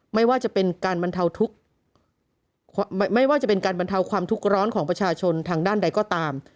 ไม่ว่าจะเป็นการบรรเทาความทุกข์ร้อนของประชาชนทางด้านใดก็ตาม